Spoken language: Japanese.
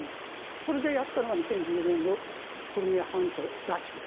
それでやったのが２０１６年のクリミア半島奪取です。